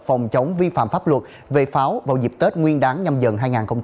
phòng chống vi phạm pháp luật về pháo vào dịp tết nguyên đáng nhâm dần hai nghìn hai mươi bốn